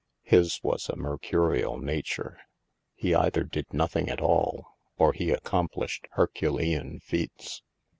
His was a mercurial nature; he either did nothing at all, or he accomplished Herculean feats.